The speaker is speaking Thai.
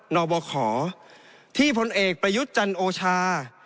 นบขที่พลเอกประยุทธ์จันโอชา